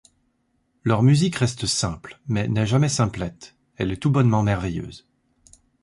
Leur musique reste simple, mais n'est jamais simplette, elle est tout bonnement merveilleuse.